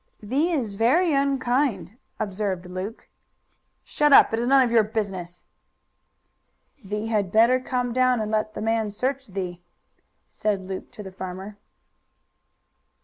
"Thee is very unkind," observed Luke. "Shut up. It is none of your business." "Thee had better come down and let the man search thee," said Luke to the farmer.